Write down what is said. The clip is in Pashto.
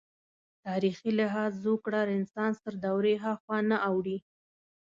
تاریخي لحاظ زوکړه رنسانس تر دورې هاخوا نه اوړي.